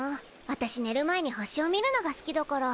わたしねる前に星を見るのが好きだから。